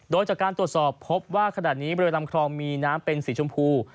โดยจากการตรวจสอบพบว่าขณะนี้บริเวณลำคลองมีน้ำเป็นสีชมพู